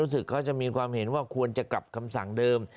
รู้สึกเขาจะมีความเห็นว่าควรจะกลับคำสั่งเดิม